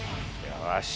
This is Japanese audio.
よし。